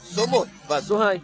số một và số hai